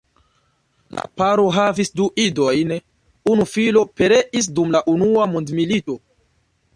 La paro havis du idojn; unu filo pereis dum la unua mondmilito.